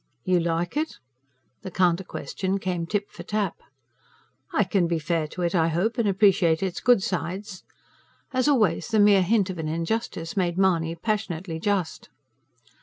"You like it?" The counter question came tip for tap. "I can be fair to it, I hope, and appreciate its good sides." As always, the mere hint of an injustice made Mahony passionately just.